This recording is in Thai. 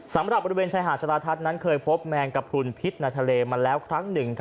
สำหรับบริเวณชายหาดชะลาทัศน์นั้นเคยพบแมงกระพรุนพิษในทะเลมาแล้วครั้งหนึ่ง